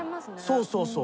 そうそうそう。